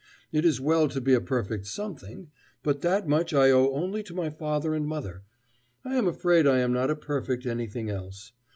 It is well to be a perfect _some_thing: but that much I owe only to my father and mother. I am afraid I am not a perfect anything else.